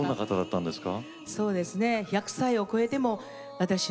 そうですか。